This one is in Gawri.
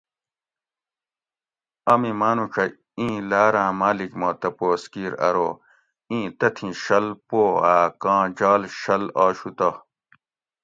"امی ماۤنوچۤہ این لاراں ماۤلیک ما تپوس کیر ارو "" ایں تتھیں شُل پو آ کاں جال شُل آشوتہ ""؟"